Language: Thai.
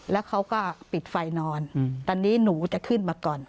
แล้วเขาก็ปิดไฟนอนตอนนี้หนูจะขึ้นมาก่อน